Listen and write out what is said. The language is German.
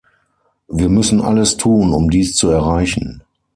Wir müssen alles tun, um dies zu erreichen.